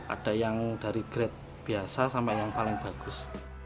ada yang dari grade biasa sampai yang paling bagus